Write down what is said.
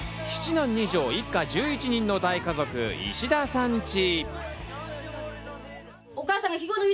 ７男２女、一家１１人の『大家族石田さんチ』。